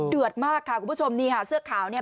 มากค่ะคุณผู้ชมนี่ค่ะเสื้อขาวเนี่ย